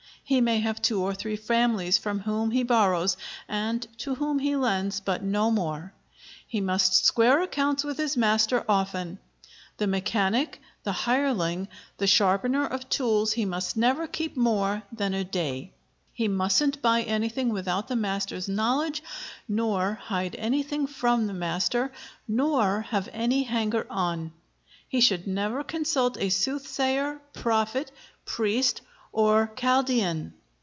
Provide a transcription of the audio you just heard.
He may have two or three families from whom he borrows, and to whom he lends, but no more. He must square accounts with his master often. The mechanic, the hireling, the sharpener of tools, he must never keep more than a day. He mustn't buy anything without the master's knowledge, nor hide anything from the master, nor have any hanger on. He should never consult a soothsayer, prophet, priest, or Chaldean....